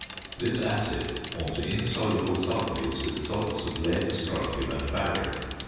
This acid forms insoluble sulphates with salts of lead, strontium, and barium.